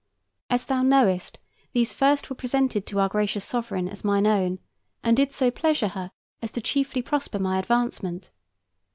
As thou knowest, these first were presented to our gracious Sovereign as mine own, and did so pleasure her as to chiefly prosper my advancement.